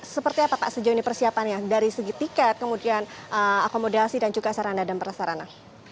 seperti apa pak sejauh ini persiapannya dari segi tiket kemudian akomodasi dan juga sarana dan prasarana